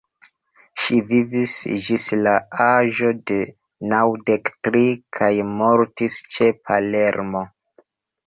Ŝi vivis ĝis la aĝo de naŭdek tri, kaj mortis ĉe Palermo.